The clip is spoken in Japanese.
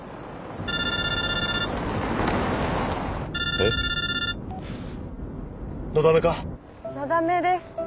・えっ！？のだめか！？のだめです。